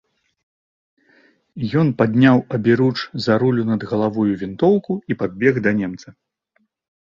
Ён падняў аберуч за рулю над галавою вінтоўку і падбег да немца.